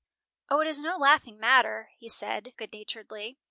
"O, it is no laughing matter," he said, good naturedly.